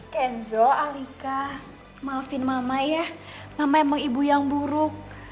kenzo alika maafin mama ya mama emang ibu yang buruk